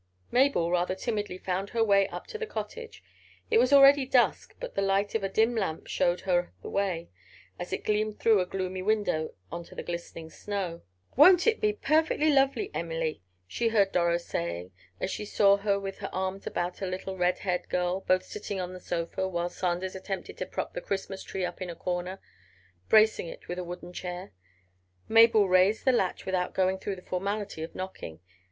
Mabel rather timidly found her way up to the cottage. It was already dusk, but the light of a dim lamp showed her the way, as it gleamed through a gloomy window, onto the glistening snow. "Won't it be perfectly lovely, Emily?" she heard Doro saying, as she saw her with her arms about a little red haired girl, both sitting on a sofa, while Sanders attempted to prop the Christmas tree up in a corner, bracing it with a wooden chair. Mabel raised the latch without going through the formality of knocking.